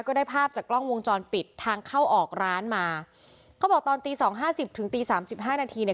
ได้ภาพจากกล้องวงจรปิดทางเข้าออกร้านมาเขาบอกตอนตีสองห้าสิบถึงตีสามสิบห้านาทีเนี่ย